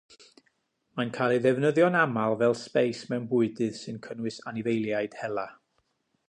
Mae'n cael ei ddefnyddio'n aml fel sbeis mewn bwydydd sy'n cynnwys anifeiliaid hela.